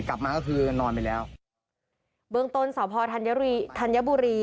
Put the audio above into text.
กลับมาก็คือนอนไปแล้วเบื้องต้นสพธัญธัญบุรี